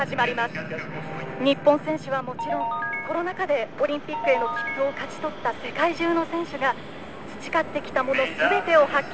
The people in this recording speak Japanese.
日本選手はもちろんコロナ禍でオリンピックへの切符を勝ち取った世界中の選手が培ってきたもの全てを発揮できることを願います」。